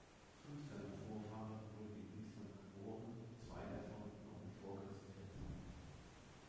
Fünf seiner Vorfahren wurden in Island geboren, zwei davon noch in vorchristlicher Zeit.